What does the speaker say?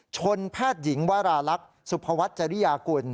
ชนแพทย์หญิงวราลักษณ์สุภวัฒน์จริยากุล